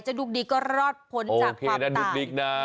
จะดูกดิก็รอดผลจากความต่างโอเคนะดูกดิกนะ